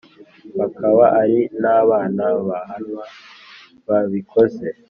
bakaba ari n abana bahanwa babikoze